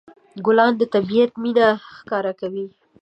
ګلان د طبيعت مینه ښکاره کوي.